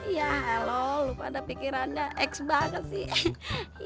ya lo lo pada pikir anda x banget sih